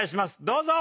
どうぞ。